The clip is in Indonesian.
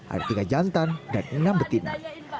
ada tiga jantan dan enam betina